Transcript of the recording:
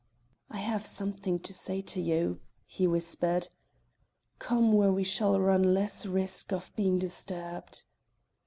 "I have something to say to you," he whispered. "Come where we shall run less risk of being disturbed."